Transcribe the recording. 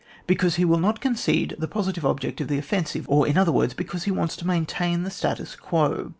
Because he will not concede the positive object of the offensive ; or, in other words, because he wants to maintain the status guo.